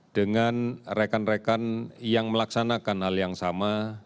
dengan rekan rekan yang melaksanakan hal yang sama